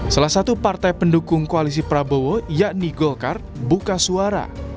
salah satu partai pendukung koalisi prabowo yakni golkar buka suara